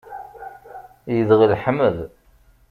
Yedɣel Ḥmed.